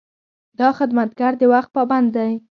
دا خدمتګر د وخت پابند دی.